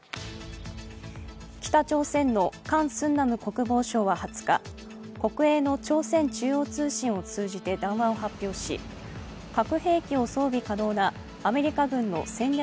北朝鮮のカン・スンナム国防相は２０日国営の朝鮮中央通信を通じて談話を発表し核兵器を装備可能なアメリカ軍の戦略